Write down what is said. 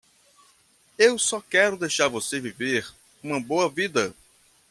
Eu só quero deixar você viver uma boa vida.